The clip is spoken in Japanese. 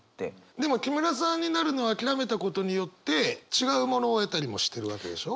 でも木村さんになるのを諦めたことによって違うものを得たりもしてるわけでしょ？